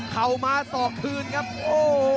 เข้ามาสอกคืนครับโอ้โห